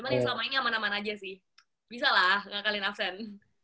cuman yang selama ini aman aman aja sih bisa lah ngakalin absen